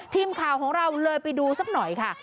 ทีมข่าวของเราเลยไปดูสักหน่อยค่ะ